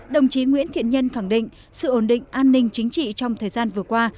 đồng chí nguyễn thiện nhân khẳng định sự ổn định an ninh chính trị trong thời gian vừa qua